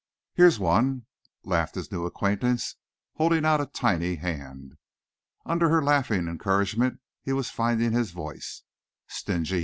"Here's one," laughed his new acquaintance, holding out a tiny hand. Under her laughing encouragement he was finding his voice. "Stingy!"